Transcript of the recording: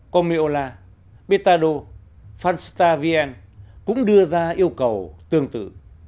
comeola betado funstar vn cũng đưa ra yêu cầu tương tự